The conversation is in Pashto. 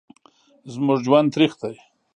زموږ ژوند تریخ دی